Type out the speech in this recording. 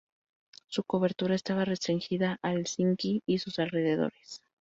Su cobertura estaba restringida a Helsinki y sus alrededores.